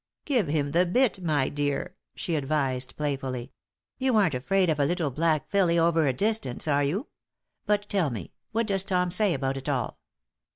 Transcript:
"Give him the bit, my dear," she advised, playfully. "You aren't afraid of a little black filly over a distance, are you? But tell me, what does Tom say about it all?